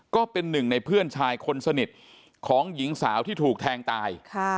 ก็เป็นหนึ่งในเพื่อนชายคนสนิทของหญิงสาวที่ถูกแทงตาย